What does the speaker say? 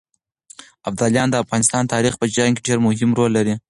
ابداليان د افغانستان د تاريخ په جريان کې ډېر مهم رول لري.